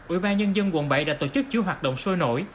ủy ban nhân dân quận bảy đã tổ chức chứa hoạt động sôi nổi